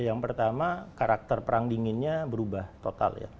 yang pertama karakter perang dinginnya berubah total ya